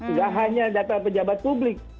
nggak hanya data pejabat publik